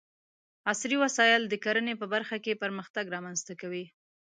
عصري وسايل د کرنې په برخه کې پرمختګ رامنځته کوي.